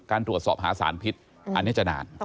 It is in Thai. การตรวจสอบหาสารพิษอันนี้จะนาน